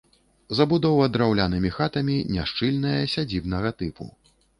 Забудова драўлянымі хатамі, няшчыльная, сядзібнага тыпу.